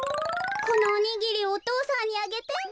このおにぎりおとうさんにあげて。